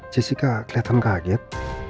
jessica kelihatan kaget